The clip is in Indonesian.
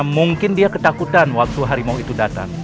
mungkin dia ketakutan waktu harimau itu datang